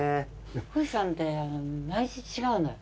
富士山って毎日違うのよ。